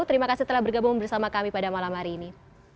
terima kasih telah bergabung bersama kami pada malam hari ini